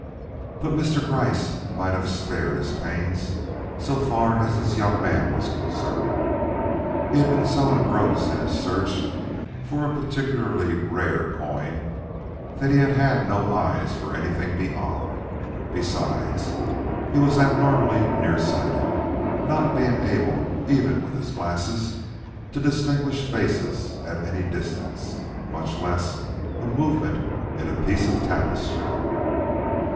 But Mr. Gryce might have spared his pains, so far as this young man was concerned. He had been so engrossed in his search for a particularly rare coin, that he had had no eyes for anything beyond. Besides, he was abnormally nearsighted, not being able, even with his glasses, to distinguish faces at any distance, much less a movement in a piece of tapestry.